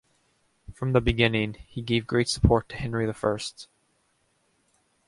From the beginning, he gave great support to Henry the First.